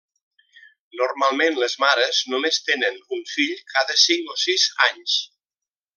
Normalment les mares només tenen un fill cada cinc o sis anys.